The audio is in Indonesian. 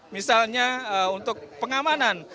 misalnya untuk pengamanan